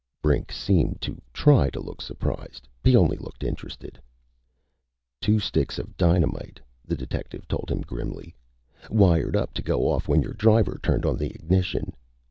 Brink seemed to try to look surprised. He only looked interested. "Two sticks of dynamite," the detective told him grimly, "wired up to go off when your driver turned on the ignition.